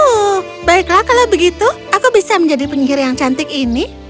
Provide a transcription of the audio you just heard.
oh baiklah kalau begitu aku bisa menjadi penyingkir yang cantik ini